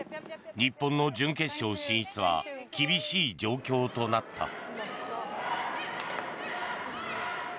日本の準決勝進出は厳しい状況となった。